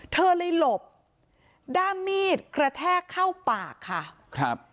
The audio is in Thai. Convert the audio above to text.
เธอเลยหลบด้ามมีดกระแทกเข้าปากค่ะครับ